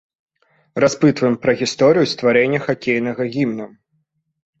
Распытваем пра гісторыю стварэння хакейнага гімна.